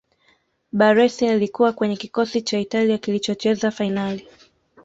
baressi alikuwa kwenye kikosi cha italia kilichocheza fainali